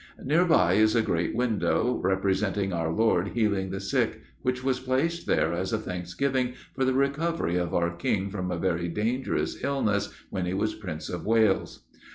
Near by is a great window, representing our Lord healing the sick, which was placed there as a thanksgiving for the recovery of our King from a very dangerous illness when he was Prince of Wales.